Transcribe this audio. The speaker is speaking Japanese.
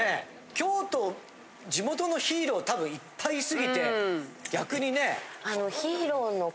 京都地元のヒーローたぶんいっぱいいすぎて逆にね。